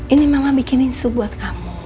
ini mama bikin insu buat kamu